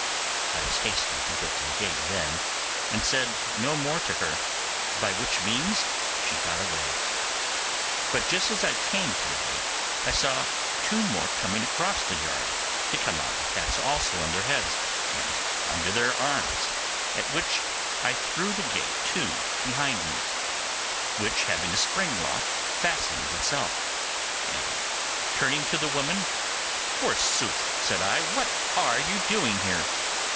I was hasty to get to the gate then, and said no more to her, by which means she got away. But just as I came to the gate, I saw two more coming across the yard to come out with hats also on their heads and under their arms, at which I threw the gate to behind me, which having a spring lock fastened itself; and turning to the women, 'Forsooth,' said I, 'what are you doing here?